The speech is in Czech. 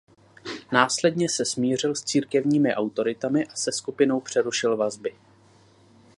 Následně se smířil s církevními autoritami a se skupinou přerušil vazby.